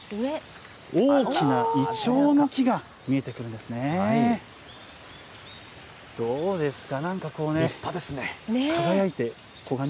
大きなイチョウの木が見えてくるんですね。